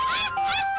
aduh aduh aduh